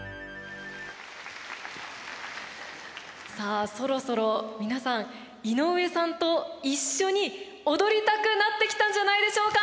さあそろそろ皆さん井上さんと一緒に踊りたくなってきたんじゃないでしょうか？